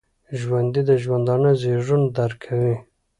ژوندي د ژوندانه زیږون درک کوي